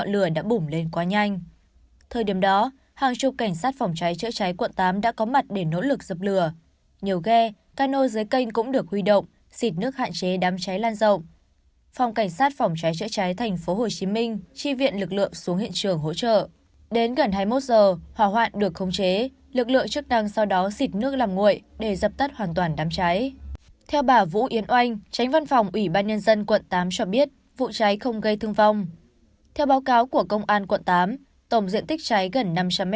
theo báo cáo của công an quận tám tổng diện tích cháy gần năm trăm linh m hai trong đó có bãi chứa vật liệu gỗ và hai căn nhà